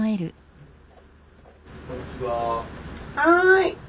はい。